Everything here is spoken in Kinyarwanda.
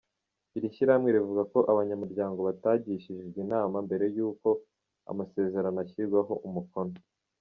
Iri shyirahamwe rivuga ko abanyamuryango batagishijwe inama mbere yuko ayo masezerano ashyirwaho umukono.